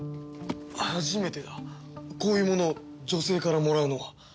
初めてだこういうものを女性からもらうのは。